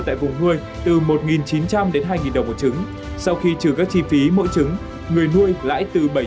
tại vùng nuôi từ một nghìn chín trăm linh đến hai nghìn đồng một trứng sau khi trừ các chi phí mỗi trứng người nuôi lãi từ bảy trăm linh